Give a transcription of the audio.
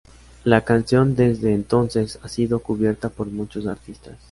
La canción desde entonces ha sido cubierta por muchos artistas.